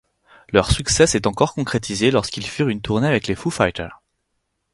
Leur succès s'est encore concrétisé lorsqu'ils firent une tournée avec les Foo Fighters.